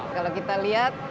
kalau kita lihat